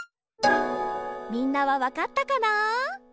みんなはわかったかな？